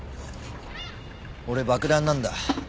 俺爆弾なんだ。